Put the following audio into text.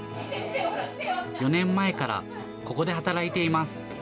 ４年前からここで働いています。